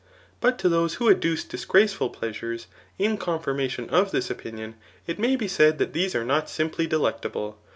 But to those who adduce disgraceful pleasures [in confirmation of this opinion, it may be said that these are not simply] delectable.